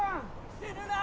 死ぬな！